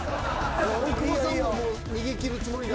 大久保さんももう逃げ切るつもりだ。